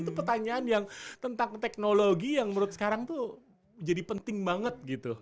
itu pertanyaan yang tentang teknologi yang menurut sekarang tuh jadi penting banget gitu